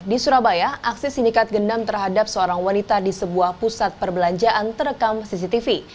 di surabaya aksi sindikat gendam terhadap seorang wanita di sebuah pusat perbelanjaan terekam cctv